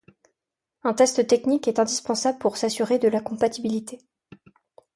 Un test technique est indispensable pour s'assurer de la compatibilité.